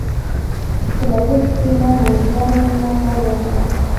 په لګښت کې له منځلارۍ نه کار واخله.